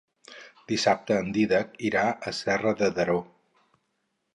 Dissabte en Dídac irà a Serra de Daró.